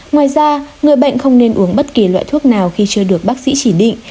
ngoài ra người bệnh không nên uống bất kỳ loại thuốc nào khi chưa được bác sĩ chỉ định